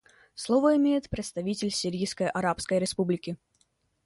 Слово имеет представитель Сирийской Арабской Республики.